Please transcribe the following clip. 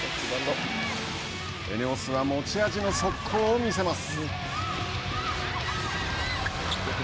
ＥＮＥＯＳは持ち味の速攻を見せます。